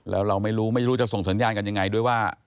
แล้วเราไม่รู้ไม่รู้จะส่งสัญญาณกันยังไงด้วยว่า